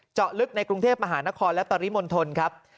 เจาะลึกในกรุงเทพมหานครและปริมณฑลครับ